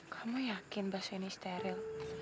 kamu yakin bakso ini steril